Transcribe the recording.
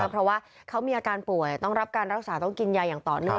เพราะว่าเขามีอาการป่วยต้องรับการรักษาต้องกินยาอย่างต่อเนื่อง